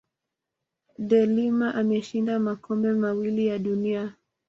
de Lima ameshinda makombe mawili ya dunia